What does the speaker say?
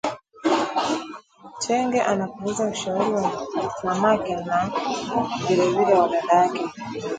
Tenge anapuuza ushauri wa mamake na vilevile wa dadake